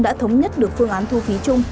đã thống nhất được phương án thu phí chung